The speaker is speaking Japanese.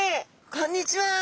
こんにちは！